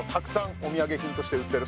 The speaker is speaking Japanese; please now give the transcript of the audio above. お土産品として売ってる。